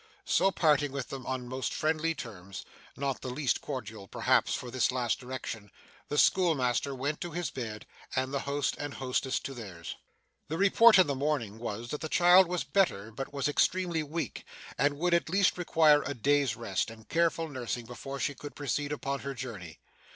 So, parting with them on most friendly terms (not the less cordial perhaps for this last direction), the schoolmaster went to his bed, and the host and hostess to theirs. The report in the morning was, that the child was better, but was extremely weak, and would at least require a day's rest, and careful nursing, before she could proceed upon her journey.